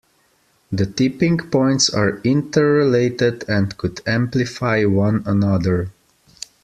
The tipping points are interrelated, and could amplify one another.